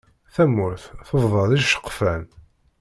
Tamurt tebḍa d iceqfan.